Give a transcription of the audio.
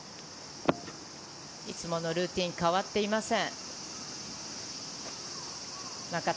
いつものルーティン、変わっていません。